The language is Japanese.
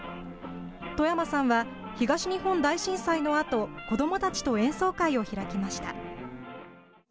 外山さんは東日本大震災のあと、子どもたちと演奏会を開きました。